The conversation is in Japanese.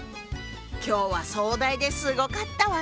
今日は壮大ですごかったわね。